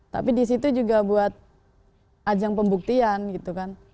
tapi di situ juga buat ajang pembuktian gitu kan